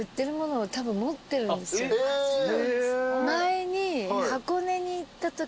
前に。